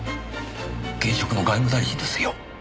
現職の外務大臣ですよ。